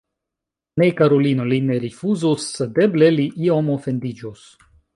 Ne, karulino, li ne rifuzus, sed eble li iom ofendiĝus.